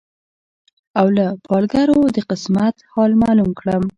او له پالګرو د قسمت حال معلوم کړم